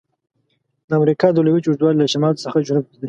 د امریکا د لویې وچې اوږدوالی له شمال څخه جنوب ته دی.